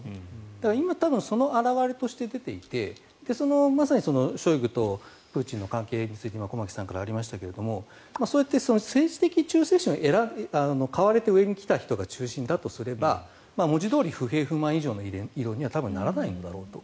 だから、今多分その表れとして出ていてまさにショイグとプーチンの関係について今、駒木さんからありましたがそうやって政治的忠誠心を買われて上に来た人が中心だとすれば、文字どおり不平不満以上の異論には多分ならないんだろうと。